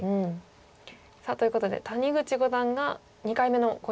さあということで谷口五段が２回目の考慮時間です。